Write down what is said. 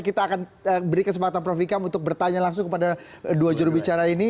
kita akan beri kesempatan prof ikam untuk bertanya langsung kepada dua jurubicara ini